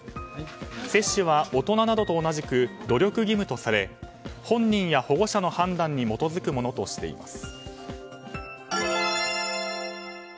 接種は大人などと同じく努力義務とされ本人や保護者の判断に基づくものとしています。